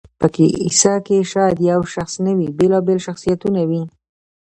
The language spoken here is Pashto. په کیسه کښي شاید یو شخص نه وي، بېلابېل شخصیتونه وي.